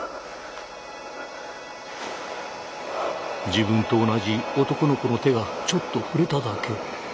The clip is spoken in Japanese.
自分と同じ男の子の手がちょっと触れただけ。